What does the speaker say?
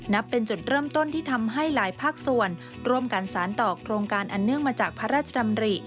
นับเป็นจุดเริ่มต้นที่ทำให้หลายภาคส่วนร่วมกันสารต่อโครงการอันเนื่องมาจากพระราชดำริ